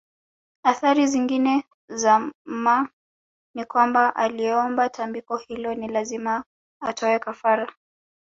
Athari zingine za mma ni kwamba aliyeomba tambiko hilo ni lazima atoe kafara